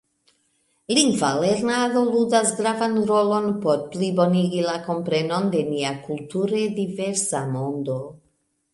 Lingva lernado ludas gravan rolon por plibonigi la komprenon de nia kulture diversa mondo.